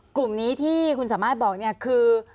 กลุ่มนี้ที่คุณสัมมารถบอกคือ